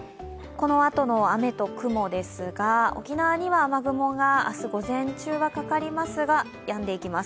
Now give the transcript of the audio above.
このあとの雨と雲ですが、沖縄には雨雲が明日午前中はかかりますがやんでいます。